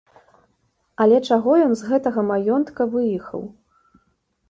Але чаго ён з гэтага маёнтка выехаў?